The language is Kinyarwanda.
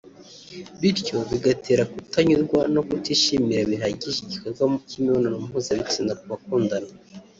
bityo bigatera kutanyurwa no kutishimira bihagije igikorwa cy’imibonano mpuzabitsina ku bakundanana